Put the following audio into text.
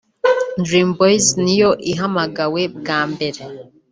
Dream Boys niyo ihamagawe bwa mbere